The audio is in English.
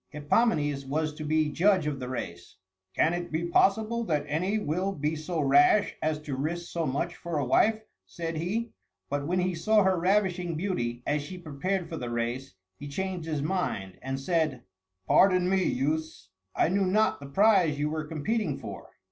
Hippomenes was to be judge of the race. "Can it be possible that any will be so rash as to risk so much for a wife?" said he. But when he saw her ravishing beauty as she prepared for the race, he changed his mind, and said, "Pardon me, youths, I knew not the prize you were competing for."